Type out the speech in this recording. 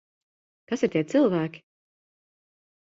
Kas ir tie cilvēki?